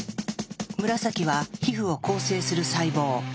紫は皮膚を構成する細胞。